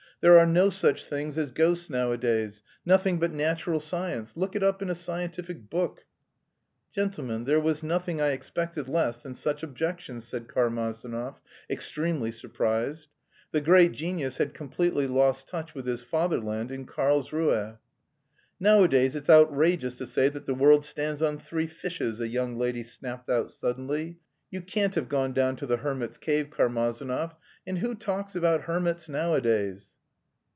"There are no such things as ghosts nowadays, nothing but natural science. Look it up in a scientific book." "Gentlemen, there was nothing I expected less than such objections," said Karmazinov, extremely surprised. The great genius had completely lost touch with his Fatherland in Karlsruhe. "Nowadays it's outrageous to say that the world stands on three fishes," a young lady snapped out suddenly. "You can't have gone down to the hermit's cave, Karmazinov. And who talks about hermits nowadays?"